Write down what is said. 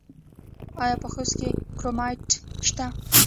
آیا په خوست کې کرومایټ شته؟